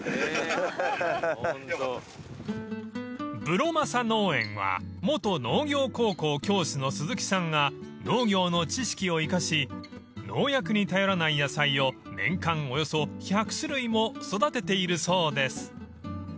［ブロ雅農園は元農業高校教師の鈴木さんが農業の知識を生かし農薬に頼らない野菜を年間およそ１００種類も育てているそうです］